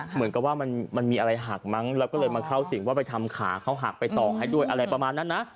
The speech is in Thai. เหมือนกับว่ามันมีอะไรหักมั้งแล้วก็เลยมาเข้าสิ่งว่าไปทำขาเขาหักไปต่อให้ด้วยอะไรประมาณนั้นนะ